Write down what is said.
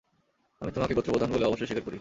আমি তোমাকে গোত্রপ্রধান বলে অবশ্যই স্বীকার করি।